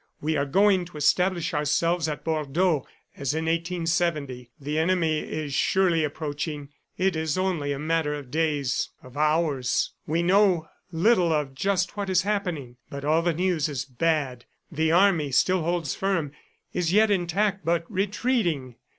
We are going to establish ourselves at Bordeaux as in 1870. The enemy is surely approaching; it is only a matter of days ... of hours. We know little of just what is happening, but all the news is bad. The army still holds firm, is yet intact, but retreating